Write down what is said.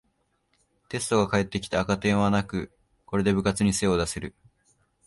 テストが返ってきて赤点はなく、これで部活に精を出せる